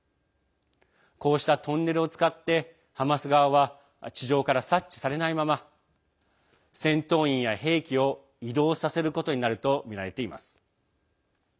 こうしたトンネルを使ってハマス側は地上から察知されないまま戦闘員や兵器を移動させることになるとみられています。